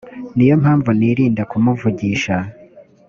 ni yo mpamvu nirinda kumuvugisha